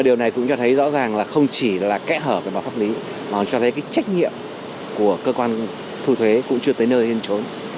điều này cũng cho thấy rõ ràng là không chỉ là kẽ hở về mặt pháp lý mà cho thấy cái trách nhiệm của cơ quan thu thuế cũng chưa tới nơi hên trốn